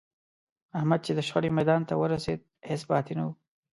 احمد چې د شخړې میدان ته ورسېد، هېڅ پاتې نه و.